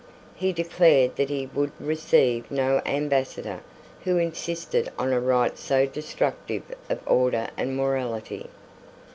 He declared that he would receive no Ambassador who insisted on a right so destructive of order and morality.